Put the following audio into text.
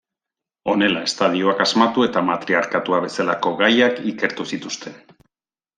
Honela estadioak asmatu eta matriarkatua bezalako gaiak ikertu zituzten.